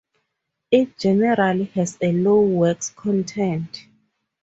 It generally has a low wax content.